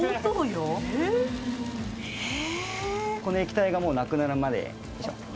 この液体がもうなくなるまでよいしょ